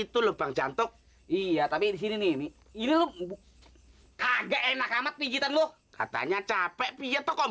itu lubang jantung iya tapi disini ini ini agak enak amat pijitan loh katanya capek pijat kok